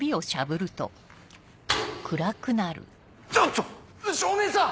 ちょっ照明さん！